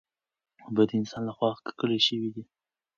اوبه د انسان له خوا ککړې شوې دي.